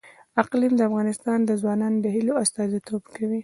اقلیم د افغان ځوانانو د هیلو استازیتوب کوي.